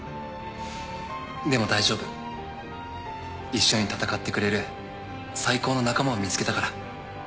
でも大丈夫一緒に闘ってくれる最高の仲間を見つけたから。